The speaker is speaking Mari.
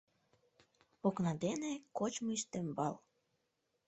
Окна дене кочмо ӱстембал.